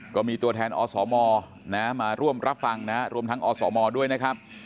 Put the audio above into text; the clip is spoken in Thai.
ก็มีตัวแทนอสมมาร่วมรับฟังนะฮะรวมทั้งอสมด้วยนะครับ